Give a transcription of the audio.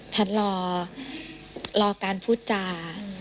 แพทย์รอรอการพูดจา